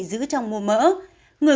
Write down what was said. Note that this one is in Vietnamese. giữ trong mô mỡ